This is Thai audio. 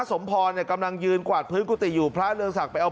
สมพรเนี่ยกำลังยืนกวาดพื้นกุฏิอยู่พระเรืองศักดิ์ไปเอา